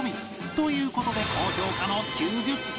という事で高評価の９０点